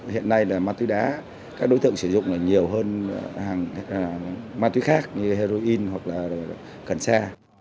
hiện nay là ma túy đá các đối tượng sử dụng nhiều hơn hàng ma túy khác như heroin hoặc là cần sa